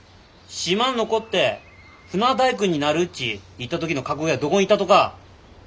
島に残って船大工になるっち言った時の覚悟やどこんいったとか。